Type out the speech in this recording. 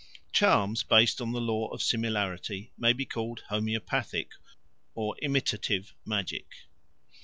Charms based on the Law of Similarity may be called Homoeopathic or Imitative Magic.